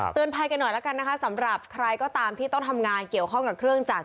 ภัยกันหน่อยแล้วกันนะคะสำหรับใครก็ตามที่ต้องทำงานเกี่ยวข้องกับเครื่องจักร